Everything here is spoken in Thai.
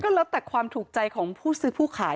แล้วแต่ความถูกใจของผู้ซื้อผู้ขาย